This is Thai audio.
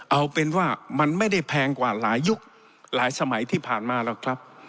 เอาเป็นว่ามันไม่ได้แพงกว่าหลายยุคหลายสมัยที่ผ่านมาหรอกครับ